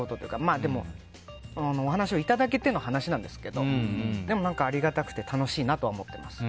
でも、お話をいただけての話なんですけどでも、ありがたくて楽しいなとは思っています。